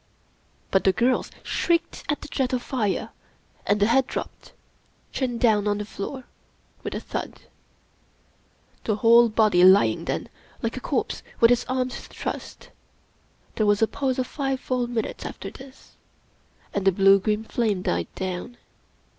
Both the girls shrieked at the jet of fire, and the head dropped, chin down on the floor, with a thud; the whole body lying then like a corpse with its arms trussed. There was a pause of five full minutes after this, and the blue green flame died down.